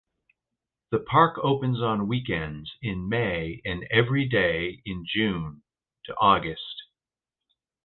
The park opens on weekends in May and every day in June–August.